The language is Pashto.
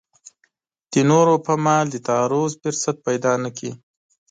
د نورو پر مال د تعرض فرصت پیدا نه کړي.